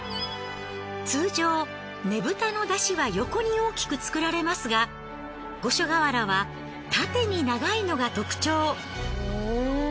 通常ねぶたの山車は横に大きく作られますが五所川原は縦に長いのが特徴。